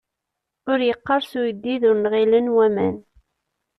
Ur yeqqers uyeddid ur nɣilen waman.